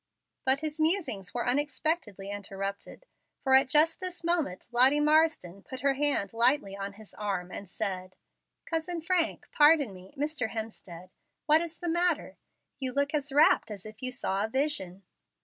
But his musings were unexpectedly interrupted, for just at this moment Lottie Marsden put her hand lightly on his arm and said, "Cousin Frank pardon me Mr. Hemstead, what is the matter? You look as rapt as if you saw a vision."